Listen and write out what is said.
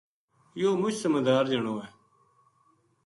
یوہ مچ سمجھدار جنو ہے‘‘